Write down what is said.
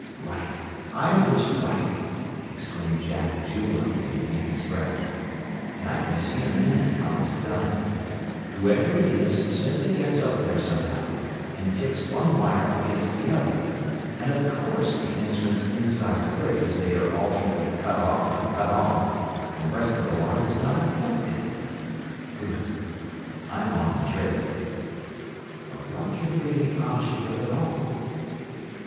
"Right! I was right!" exclaimed Jack jubilantly beneath his breath. "And I can see in a minute how it's done. Whoever it is, simply gets up there somehow, and ticks one wire against the other and of course the instruments inside click as they are alternately cut off and cut on, and the rest of the line is not affected! "Good! I'm on the trail. "But what can be the object of it all?"